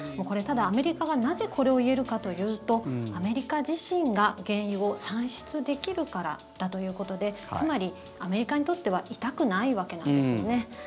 ただ、アメリカがなぜこれを言えるかというとアメリカ自身が原油を産出できるからだということでつまり、アメリカにとっては痛くないわけなんですよね。